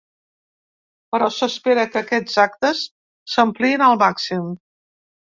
Però s’espera que aquests actes s’ampliïn al màxim.